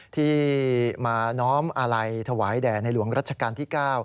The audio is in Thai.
ที่มาน้อมอาลัยถวายแด่ในหลวงรัชกาลที่๙